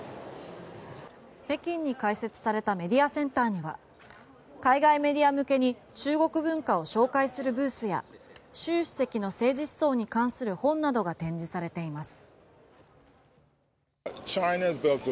北京に開設されたメディアセンターには海外メディア向けに中国文化を紹介するブースや習主席の政治思想に関する本などが展示されています。